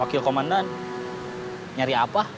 wakil komandan nyari apa